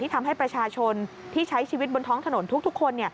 ทำให้ประชาชนที่ใช้ชีวิตบนท้องถนนทุกคน